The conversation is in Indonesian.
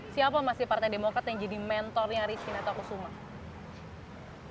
siapa masih partai demokrat yang jadi mentornya rizky natakusuma